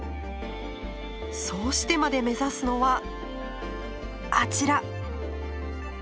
そうしてまで目指すのはあちら。